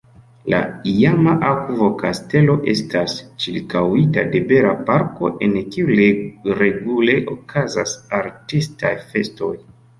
La iama akvo-kastelo estas ĉirkaŭita de bela parko, en kiu regule okazas artistaj festoj.